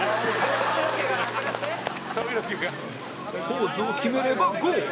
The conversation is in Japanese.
ポーズを決めればゴール！